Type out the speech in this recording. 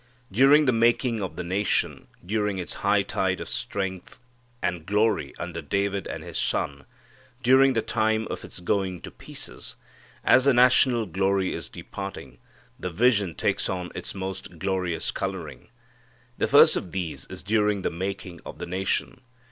During the making of the nation, during its high tide of strength and glory under David and his son, during the time of its going to pieces. As the national glory is departing, the vision takes on its most glorious coloring. The first of these is during the making of the nation.